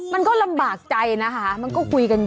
มันก็ลำบากใจนะคะมันก็คุยกันอยู่